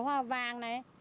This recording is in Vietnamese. hoa vàng này